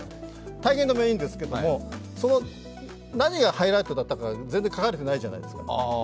体言止めはいいんですけど、何がハイライトだったか全然書かれてないじゃないですか。